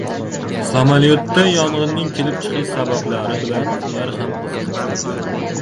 Samolyotda yongʻinning kelib chiqish sabablari bilan ular ham qiziqib koʻrdi.